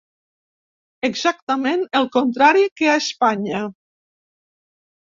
Exactament el contrari que a Espanya.